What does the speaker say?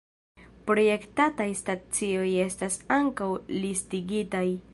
Projektataj stacioj estas ankaŭ listigitaj.